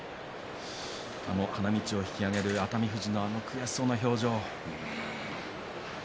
花道を引き揚げる熱海富士のあの悔しそうな表情。